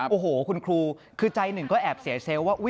โอ้โหคุณครูคือใจหนึ่งก็แอบเสียเซลล์ว่า